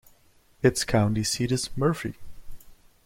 Its county seat is Murphy.